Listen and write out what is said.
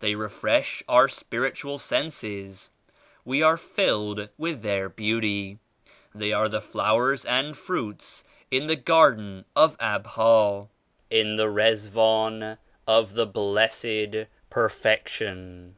They refresh our spiritual senses. We are filled with their beauty. They are the 93 flowers and fruits in the Garden of Abha, in the Rizwan of the Blessed Perfection."